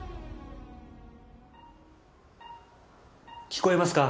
聞こえますか？